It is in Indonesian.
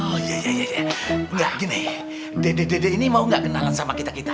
oh iya iya gini dede dede ini mau gak kenalan sama kita kita